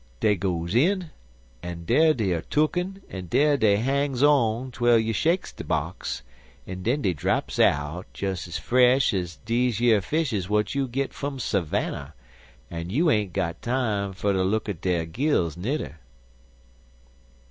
Dey goes in, an' dar dey er tooken and dar dey hangs on twel you shakes de box, an' den dey draps out des ez fresh ez deze yer fishes w'at you git fum Savannah, an' you ain't got time fer ter look at dere gills, nudder."